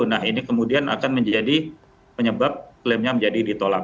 nah ini kemudian akan menjadi penyebab klaimnya menjadi ditolak